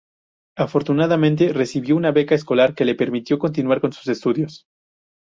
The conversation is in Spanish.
Afortunadamente, recibió una beca escolar que le permitió continuar con sus estudios.